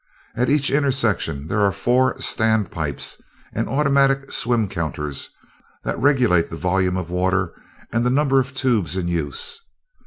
At each intersection there are four stand pipes and automatic swim counters that regulate the volume of water and the number of tubes in use.